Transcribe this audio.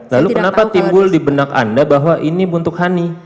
lalu kenapa timbul di benak anda bahwa ini untuk honey